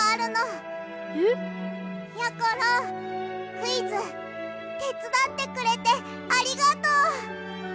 クイズてつだってくれてありがとう！